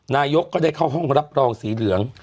นายกก็ได้เข้าห้องรับรองสีเหลือง